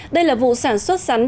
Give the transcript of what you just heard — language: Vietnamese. đây là vụ sản xuất sắn chính trong năm